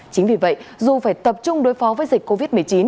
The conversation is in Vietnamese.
chính vì vậy dù phải tập trung đối phó với dịch covid một mươi chín